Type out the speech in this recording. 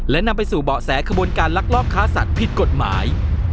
และนำไปสู่เบาะแสขบวนการลักลอบค้าสัตว์ผิดกฎหมาย